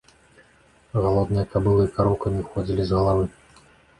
Галодная кабыла і кароўка не выходзілі з галавы.